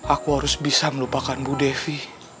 aku harus bisa melupakan bu devi